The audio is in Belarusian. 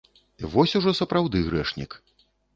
Вось ужо сапраўды грэшнік!